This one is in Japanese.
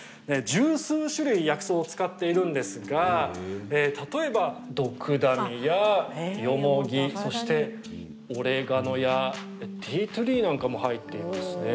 十数種類薬草を使っているんですが例えば、ドクダミやヨモギそしてオレガノやティートゥリーなんかも入っているんですね。